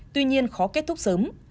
tuy nhiên khó kết thúc sớm